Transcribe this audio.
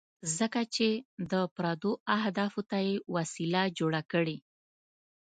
ځکه چې د پردو اهدافو ته یې وسیله جوړه کړې.